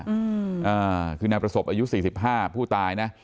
อ่าคือนายประสบอายุสี่สิบห้าผู้ตายนะ